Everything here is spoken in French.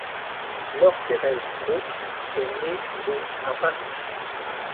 Laure-Thérèse Cros est née le à Paris.